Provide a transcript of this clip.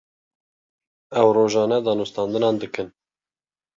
Ew rojane danûstandinan dikin.